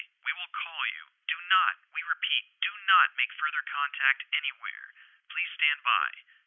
We will call you. Do not, we repeat, do not make further contact anywhere. Please stand by.